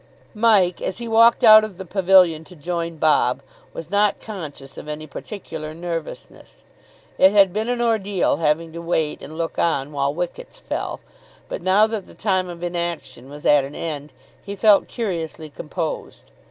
Mike, as he walked out of the pavilion to join Bob, was not conscious of any particular nervousness. It had been an ordeal having to wait and look on while wickets fell, but now that the time of inaction was at an end he felt curiously composed.